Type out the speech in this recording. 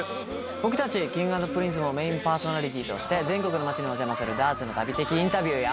僕たちＫｉｎｇ＆Ｐｒｉｎｃｅもメインパーソナリティーとして全国の町にお邪魔するダーツの旅的インタビューや。